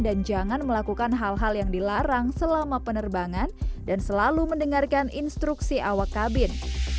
dan jangan melakukan hal hal yang dilarang selama penerbangan dan selalu mendengarkan instruksi awak kabin